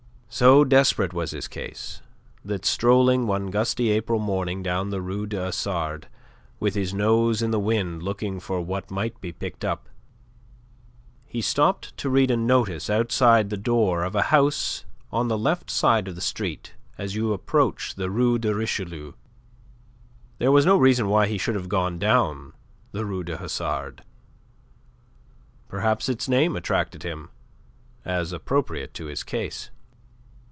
So desperate was his case that strolling one gusty April morning down the Rue du Hasard with his nose in the wind looking for what might be picked up, he stopped to read a notice outside the door of a house on the left side of the street as you approach the Rue de Richelieu. There was no reason why he should have gone down the Rue du Hasard. Perhaps its name attracted him, as appropriate to his case.